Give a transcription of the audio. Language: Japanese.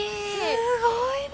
すごいね。